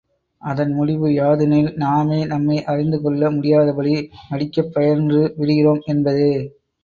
அதன் முடிவு யாதெனில் நாமே நம்மை அறிந்து கொள்ள முடியாதபடி நடக்கப் பயின்று விடுகிறோம் என்பதே.